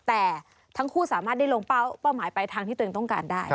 แต่ทั้งคู่สามารถได้ลงเป้าหมายไปทางที่ตัวเองต้องการได้